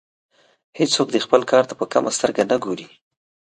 هیڅوک دې خپل کار ته په کمه سترګه نه ګوري.